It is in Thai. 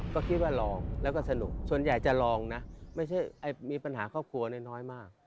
ก็คิดว่าลองแล้วก็สนุกส่วนใหญ่จะลองนะไม่ใช่มีปัญหาครอบครัวน้อยมาก